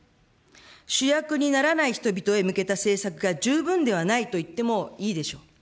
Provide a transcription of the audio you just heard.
主役にならない人々へ向けた政策が十分ではないといってもいいでしょう。